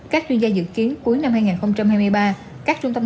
các chuyên gia dự kiến cuối năm hai nghìn hai mươi ba